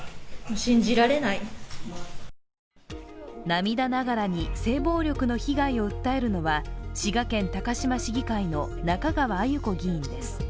涙ながらに性暴力の被害を訴えるのは滋賀県高島市議会の中川あゆこ議員です。